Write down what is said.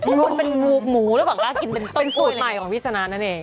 ลุยเป็นหมูระหว่างค่ะกินเป็นต้นสุดใหม่ของวิทยานานนั่นเอง